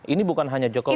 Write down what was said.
ini bukan hanya jokowi